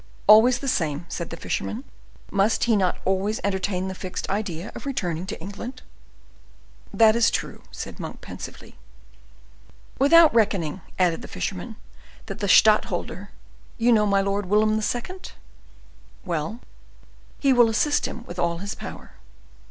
"Always the same," said the fisherman. "Must he not always entertain the fixed idea of returning to England?" "That is true," said Monk, pensively. "Without reckoning," added the fisherman, "that the stadtholder—you know, my lord, William II.?—" "Well?" "He will assist him with all his power."